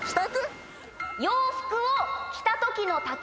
洋服を着たときの丈。